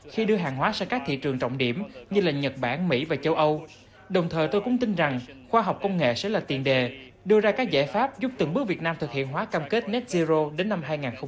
khoa học công nghệ sẽ là tiền đề đưa ra các giải pháp giúp từng bước việt nam thực hiện hóa cam kết net zero đến năm hai nghìn năm mươi